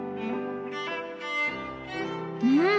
うん！